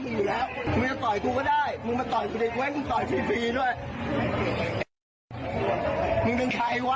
จะต่อยไปได้มึงต่อยตัวไว้พี่ด้วยชังใจวะ